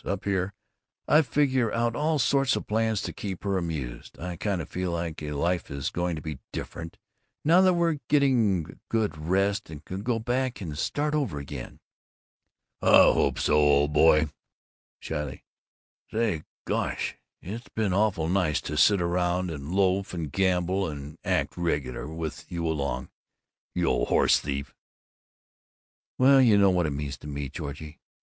Up here, I figure out all sorts of plans to keep her amused. I kind of feel life is going to be different, now that we're getting a good rest and can go back and start over again." "I hope so, old boy." Shyly: "Say, gosh, it's been awful nice to sit around and loaf and gamble and act regular, with you along, you old horse thief!" "Well, you know what it means to me, Georgie.